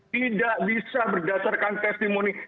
tidak bisa berdasarkan testimoni